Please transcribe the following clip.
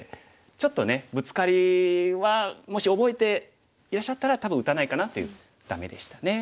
ブツカリはもし覚えていらっしゃったら多分打たないかなっていう「ダメ」でしたね。